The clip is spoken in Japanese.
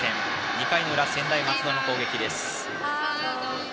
２回の裏、専大松戸の攻撃です。